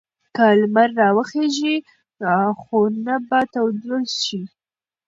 که لمر راوخېژي خونه به توده شي.